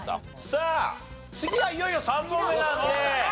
さあ次はいよいよ３問目なので。